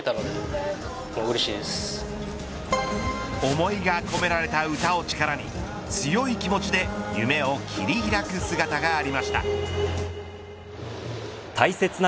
思いが込められた歌を力に強い気持ちで夢を切り開大切な